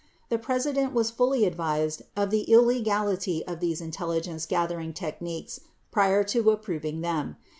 The President was fully advised of the illegality of these intel ligence gathering techniques prior to approving them.